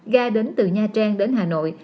ga đến từ nha trang đến hà nội